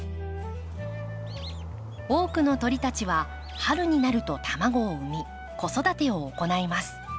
多くの鳥たちは春になると卵を産み子育てを行います。